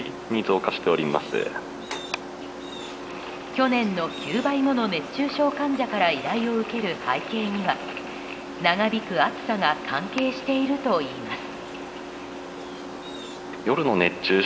去年の９倍もの熱中症患者から依頼を受ける背景には長引く暑さが関係しているといいます。